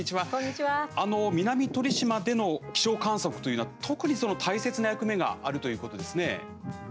あの南鳥島での気象観測というのは特に、その大切な役目があるということですね。